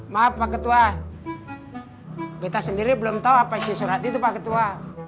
maaf pak ketua kita sendiri belum tahu apa isi surat itu pak ketua